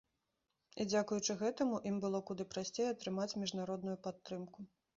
І дзякуючы гэтаму, ім было куды прасцей атрымаць міжнародную падтрымку.